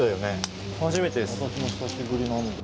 私も久しぶりなんです。